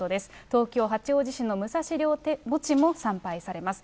東京・八王子市の武蔵陵墓地も参拝されます。